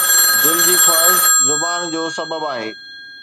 دل جي خواهش زبان جو سبب آهي